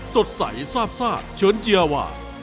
สดใสซาบซากเชิญเจียวา